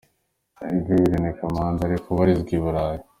Gay Irene Kamanzi ari kubarizwa i burayi.